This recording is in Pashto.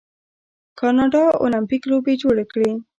کاناډا المپیک لوبې جوړې کړي.